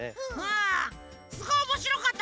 すごいおもしろかった。